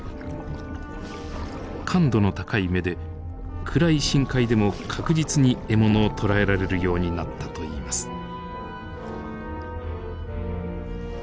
感度の高い目で暗い深海でも確実に獲物を捕らえられるようになったといいます。